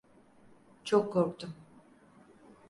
Çok korktum.